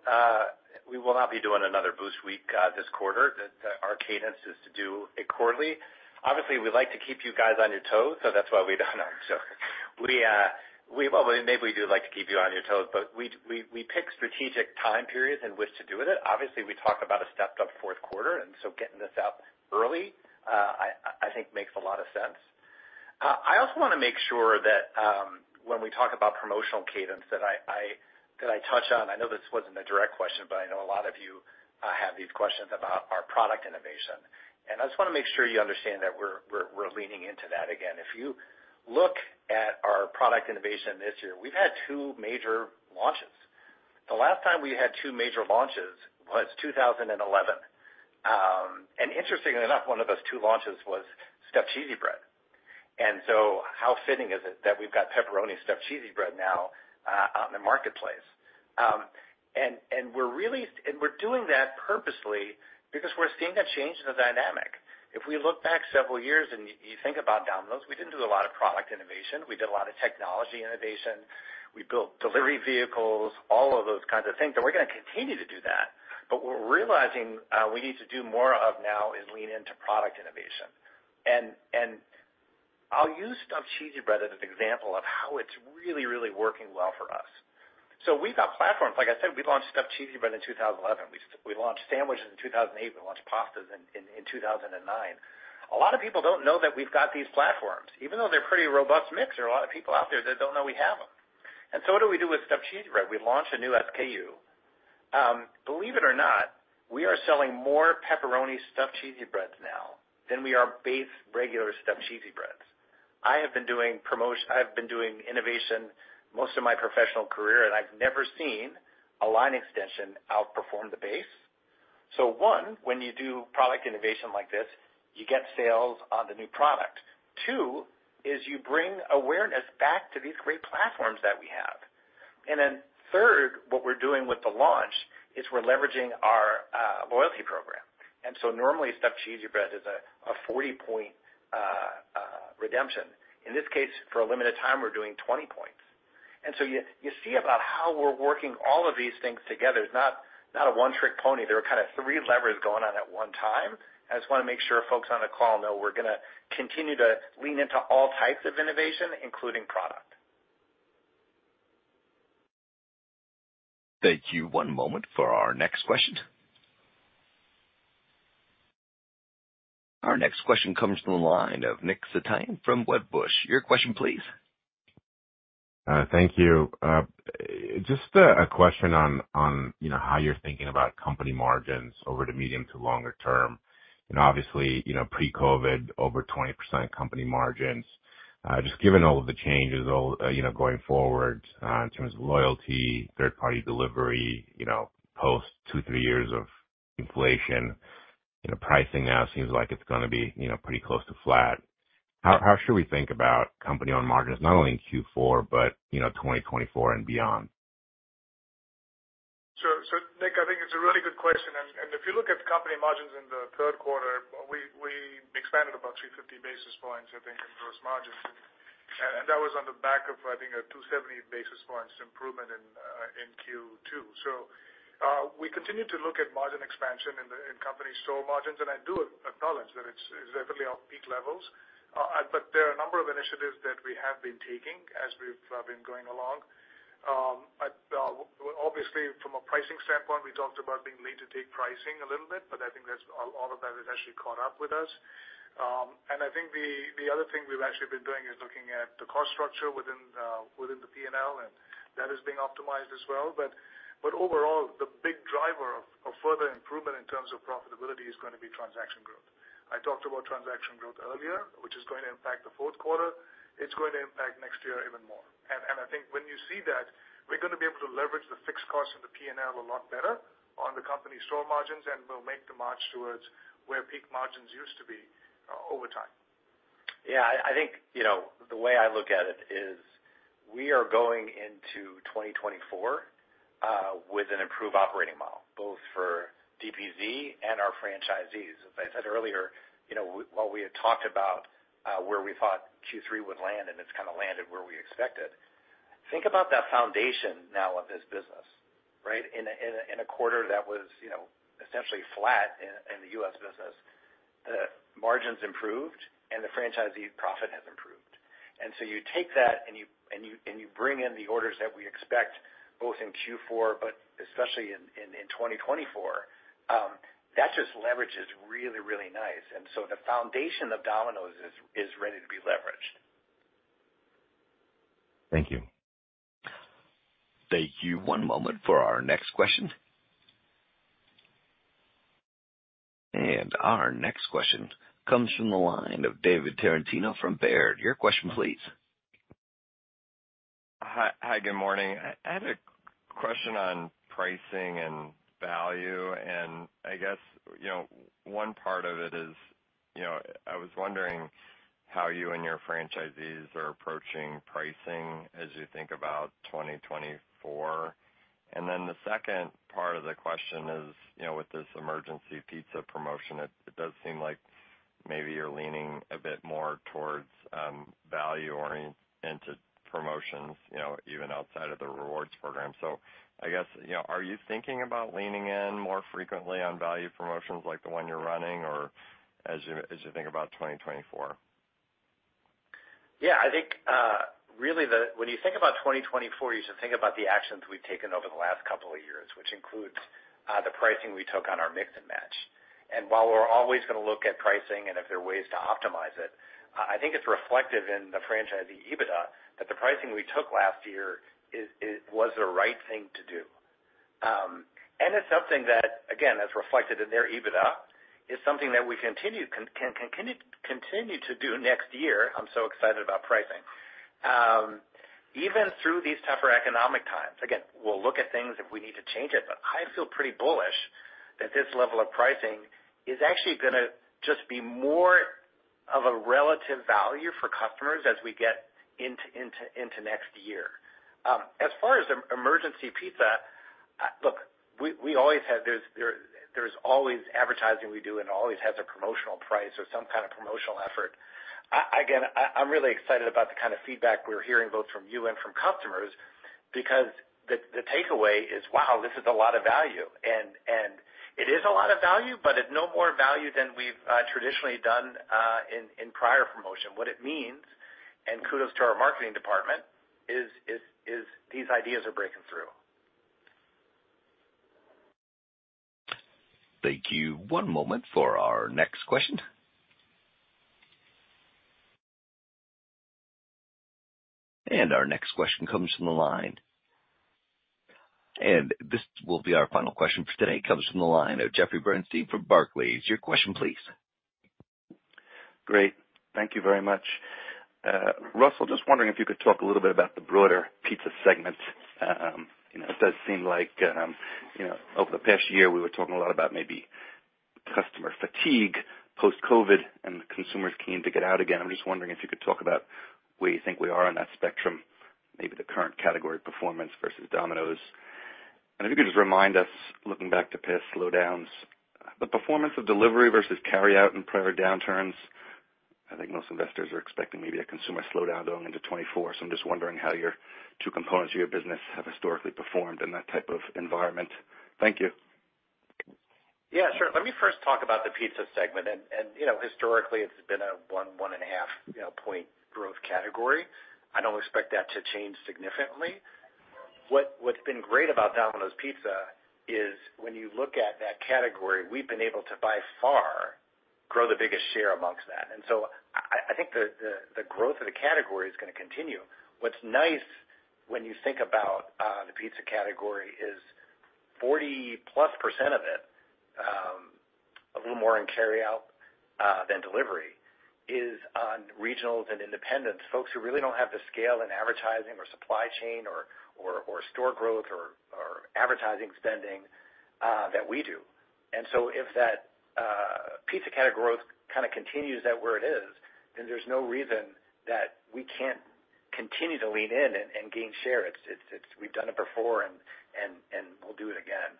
S3: we will not be doing another boost week this quarter. Our cadence is to do it quarterly. Obviously, we like to keep you guys on your toes, so that's why we don't. No, so we, well, maybe we do like to keep you on your toes, but we pick strategic time periods in which to do it in. Obviously, we talked about a stepped up fourth quarter, and so getting this out early, I think makes a lot of sense. I also want to make sure that when we talk about promotional cadence, that I touch on... I know this wasn't a direct question, but I know a lot of you have these questions about our product innovation, and I just want to make sure you understand that we're leaning into that again. If you look at our product innovation this year, we've had two major launches. The last time we had two major launches was 2011. And interestingly enough, one of those two launches was Stuffed Cheesy Bread. And so how fitting is it that we've got Pepperoni Stuffed Cheesy Bread now out in the marketplace? And we're doing that purposely because we're seeing a change in the dynamic. If we look back several years and you think about Domino's, we didn't do a lot of product innovation. We did a lot of technology innovation. We built delivery vehicles, all of those kinds of things, and we're going to continue to do that. But we're realizing we need to do more of now is lean into product innovation. And I'll use Stuffed Cheesy Bread as an example of how it's really, really working well for us. So we've got platforms. Like I said, we launched Stuffed Cheesy Bread in 2011. We launched sandwiches in 2008. We launched pastas in 2009. A lot of people don't know that we've got these platforms. Even though they're a pretty robust mix, there are a lot of people out there that don't know we have them. And so what do we do with Stuffed Cheesy Bread? We launch a new SKU. Believe it or not, we are selling more Pepperoni Stuffed Cheesy Breads now than we are base regular Stuffed Cheesy Breads. I have been doing promo-- I've been doing innovation most of my professional career, and I've never seen a line extension outperform the base. One, when you do product innovation like this, you get sales on the new product. Two, you bring awareness back to these great platforms that we have. Third, what we're doing with the launch is we're leveraging our loyalty program. Normally, Stuffed Cheesy Bread is a 40-point redemption. In this case, for a limited time, we're doing 20 points. You see about how we're working all of these things together. It's not a one-trick pony. There are kind of three levers going on at one time. I just want to make sure folks on the call know we're going to continue to lean into all types of innovation, including product.
S1: Thank you. One moment for our next question. Our next question comes from the line of Nick Setyan from Wedbush. Your question, please.
S20: Thank you. Just a question on, on, you know, how you're thinking about company margins over the medium to longer term. Obviously, you know, pre-COVID, over 20% company margins. Just given all of the changes, all, you know, going forward, in terms of loyalty, third-party delivery, you know, post two, three years of inflation, you know, pricing now seems like it's going to be, you know, pretty close to flat. How should we think about company-owned margins, not only in Q4, but, you know, 2024 and beyond?
S4: So, Nick, I think it's a really good question, and if you look at company margins in the third quarter, we expanded about 350 basis points, I think, in gross margins. And that was on the back of, I think, a 270 basis points improvement in Q2. So, we continue to look at margin expansion in the company store margins, and I do acknowledge that it's definitely off peak levels. But there are a number of initiatives that we have been taking as we've been going along. Obviously, from a pricing standpoint, we talked about being late to take pricing a little bit, but I think that's all, all of that has actually caught up with us. I think the other thing we've actually been doing is looking at the cost structure within the P&L, and that is being optimized as well. Overall, the big driver of further improvement in terms of profitability is going to be transaction growth. I talked about transaction growth earlier, which is going to impact the fourth quarter. It's going to impact next year even more. I think when you see that, we're going to be able to leverage the fixed costs in the P&L a lot better on the company store margins, and we'll make the march towards where peak margins used to be over time.
S3: Yeah, I think, you know, the way I look at it is we are going into 2024 with an improved operating model, both for DPZ and our franchisees. As I said earlier, you know, while we had talked about where we thought Q3 would land and it's kind of landed where we expected, think about that foundation now of this business, right? In a quarter that was, you know, essentially flat in the U.S. business... The margins improved and the franchisee profit has improved. And so you take that and you bring in the orders that we expect, both in Q4 but especially in 2024, that just leverages really, really nice. And so the foundation of Domino's is ready to be leveraged.
S21: Thank you.
S1: Thank you. One moment for our next question. Our next question comes from the line of David Tarantino from Baird. Your question, please.
S22: Hi. Hi, good morning. I had a question on pricing and value, and I guess, you know, one part of it is, you know, I was wondering how you and your franchisees are approaching pricing as you think about 2024. And then the second part of the question is, you know, with this Emergency Pizza promotion, it does seem like maybe you're leaning a bit more towards value-oriented promotions, you know, even outside of the rewards program. So I guess, you know, are you thinking about leaning in more frequently on value promotions like the one you're running or as you think about 2024?
S3: Yeah, I think really, when you think about 2024, you should think about the actions we've taken over the last couple of years, which includes the pricing we took on our Mix & Match. And while we're always going to look at pricing and if there are ways to optimize it, I think it's reflective in the franchisee EBITDA that the pricing we took last year is was the right thing to do. And it's something that, again, is reflected in their EBITDA. It's something that we continue to do next year. I'm so excited about pricing. Even through these tougher economic times, again, we'll look at things if we need to change it, but I feel pretty bullish that this level of pricing is actually gonna just be more of a relative value for customers as we get into next year. As far as Emergency Pizza, look, we always have... There's always advertising we do and always has a promotional price or some kind of promotional effort. Again, I'm really excited about the kind of feedback we're hearing, both from you and from customers, because the takeaway is, wow, this is a lot of value. And it is a lot of value, but it's no more value than we've traditionally done in prior promotion. What it means, and kudos to our marketing department, is these ideas are breaking through.
S1: Thank you. One moment for our next question. Our next question comes from the line. This will be our final question for today. It comes from the line of Jeffrey Bernstein from Barclays. Your question, please.
S21: Great. Thank you very much. Russell, just wondering if you could talk a little bit about the broader pizza segment. You know, it does seem like, you know, over the past year, we were talking a lot about maybe customer fatigue post-COVID and the consumers keen to get out again. I'm just wondering if you could talk about where you think we are on that spectrum, maybe the current category performance versus Domino's? And if you could just remind us, looking back to past slowdowns, the performance of delivery versus carryout in prior downturns. I think most investors are expecting maybe a consumer slowdown going into 2024. So I'm just wondering how your two components of your business have historically performed in that type of environment? Thank you.
S3: Yeah, sure. Let me first talk about the pizza segment. And you know, historically, it's been a 1-1.5-point growth category. I don't expect that to change significantly. What's been great about Domino's Pizza is when you look at that category, we've been able to, by far, grow the biggest share amongst that. And so I think the growth of the category is gonna continue. What's nice when you think about the pizza category is 40+% of it, a little more in carryout than delivery, is on regionals and independents, folks who really don't have the scale in advertising or supply chain or store growth or advertising spending that we do. And so if that pizza category growth kind of continues at where it is, then there's no reason that we can't continue to lean in and gain share. We've done it before and we'll do it again.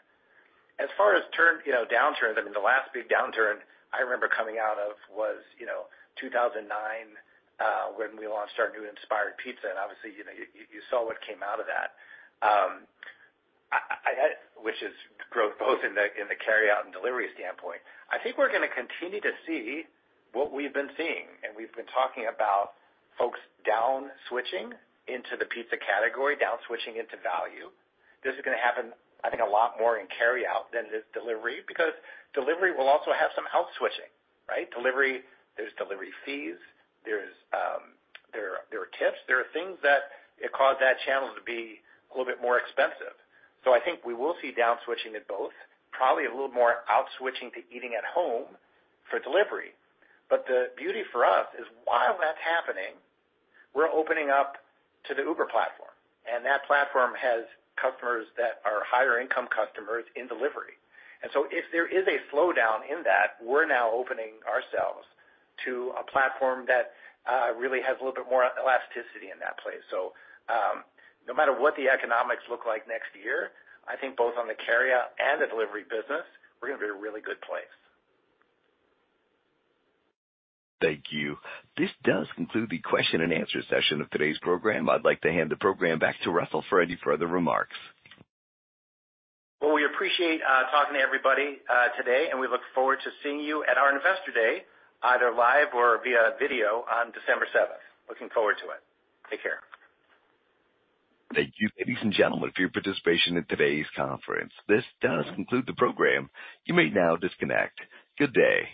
S3: As far as, you know, downturn, I mean, the last big downturn I remember coming out of was, you know, 2009, when we launched our new inspired pizza, and obviously, you know, you saw what came out of that. Which is growth both in the carryout and delivery standpoint. I think we're gonna continue to see what we've been seeing, and we've been talking about folks down switching into the pizza category, down switching into value. This is gonna happen, I think, a lot more in carryout than it is delivery, because delivery will also have some out switching, right? Delivery, there's delivery fees, there's there are tips. There are things that cause that channel to be a little bit more expensive. So I think we will see down switching in both, probably a little more out switching to eating at home for delivery. But the beauty for us is, while that's happening, we're opening up to the Uber platform, and that platform has customers that are higher-income customers in delivery. And so if there is a slowdown in that, we're now opening ourselves to a platform that really has a little bit more elasticity in that place. No matter what the economics look like next year, I think both on the carryout and the delivery business, we're gonna be in a really good place.
S1: Thank you. This does conclude the question and answer session of today's program. I'd like to hand the program back to Russell for any further remarks.
S3: Well, we appreciate talking to everybody today, and we look forward to seeing you at our Investor Day, either live or via video on December 7th. Looking forward to it. Take care.
S1: Thank you, ladies and gentlemen, for your participation in today's conference. This does conclude the program. You may now disconnect. Good day.